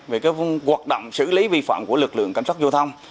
về cái hoạt động xử lý vi phạm của lực lượng cẩm sát giao thông